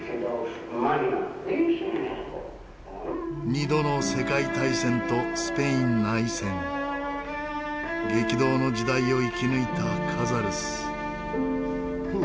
「」２度の世界大戦とスペイン内戦激動の時代を生き抜いたカザルス。